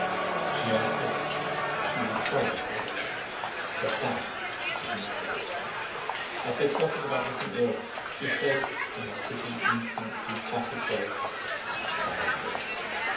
She answered, "She was sorry for it; for THAT she never could return." I said something about looking ill: she said in her pretty, mincing, emphatic way, "I despise looks!"